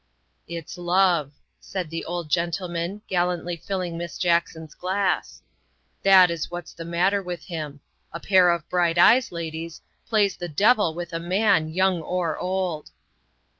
" It's love," said the old gentleman, gallantly filling Miss Jackson's glass, " that is what's the matter with him. A pair of bright eyes, ladies, plays the devil with a man, young or old.